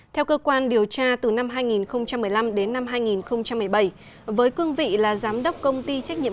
theo cơ quan điều tra từ năm hai nghìn một mươi năm đến năm hai nghìn một mươi bảy với cương vị là giám đốc công ty trách nhiệm